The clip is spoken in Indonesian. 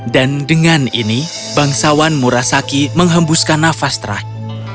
dan dengan ini bangsawan murasaki menghembuskan nafas terakhir